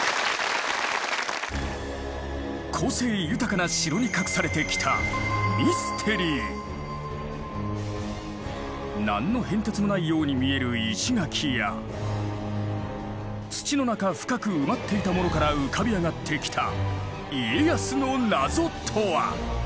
個性豊かな城に隠されてきた何の変哲もないように見える石垣や土の中深く埋まっていたものから浮かび上がってきた家康の謎とは⁉